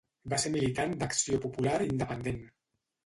Va ser militant d'Acció Popular Independent.